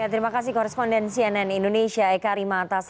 terima kasih koresponden cnn indonesia eka arimatas